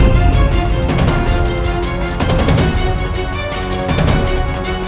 dan aku akan menangkapmu